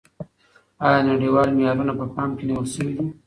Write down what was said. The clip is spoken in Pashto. آیا نړیوال معیارونه په پام کي نیول شوي دي؟